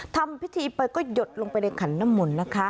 ทำพิธีไปก็หยดลงไปในขันน้ำมนต์นะคะ